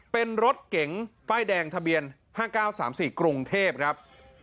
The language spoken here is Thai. เป็นรถเก๋งป้ายแดงทะเบียน๕๙๓๔กรุงเทพครับ